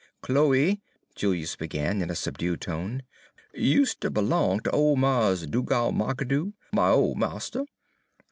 "Chloe," Julius began in a subdued tone, "use' ter b'long ter ole Mars' Dugal' McAdoo, my ole marster.